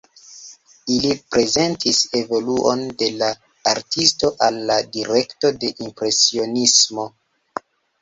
Ili prezentis evoluon de la artisto al la direkto de impresionismo.